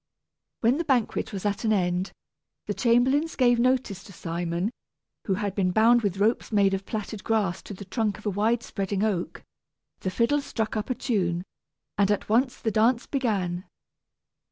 When the banquet was at an end, the chamberlains gave notice to Simon, who had been bound with ropes made of plaited grass to the trunk of a wide spreading oak; the fiddle struck up a tune, and at once the dance began.